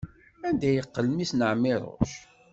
Anda yeqqel mmi-s n Ɛmiruc?